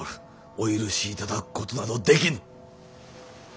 お許しいただくことなどできぬ。